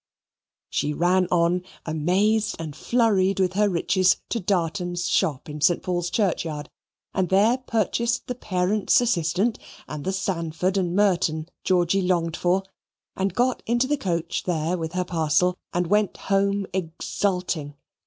She ran on amazed and flurried with her riches to Darton's shop, in St. Paul's Churchyard, and there purchased the Parents' Assistant and the Sandford and Merton Georgy longed for, and got into the coach there with her parcel, and went home exulting.